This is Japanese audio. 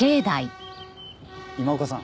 今岡さん